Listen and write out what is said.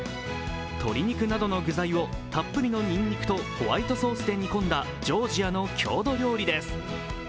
鶏肉などの具材をたっぷりのにんにくとホワイトソースで煮込んだジョージアの郷土料理です。